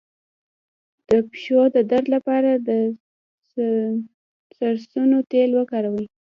د پښو د درد لپاره د سرسونو تېل وکاروئ